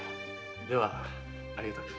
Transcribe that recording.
ではありがたく。